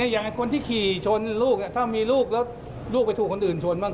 อย่างคนที่ขี่ชนลูกถ้ามีลูกแล้วลูกไปถูกคนอื่นชนบ้าง